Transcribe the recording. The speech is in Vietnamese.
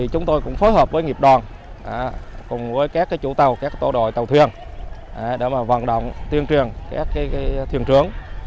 chúng tôi cũng phối hợp với nghiệp đoàn cùng với các chủ tàu các tổ đội tàu thuyền để vận động tuyên truyền các thuyền trưởng